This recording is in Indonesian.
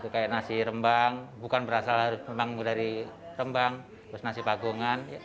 kayak nasi rembang bukan berasal memang dari rembang terus nasi pagungan